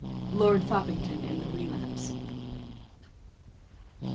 _Lord Foppington in the Relapse.